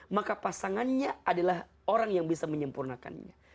maka pasangannya adalah orang yang bisa menyempurnakannya